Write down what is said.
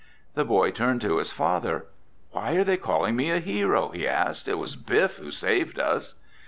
The boy turned to his father. "Why are they calling me a hero?" he asked. "It was Biff who saved us!"